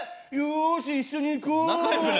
よし一緒に行こう！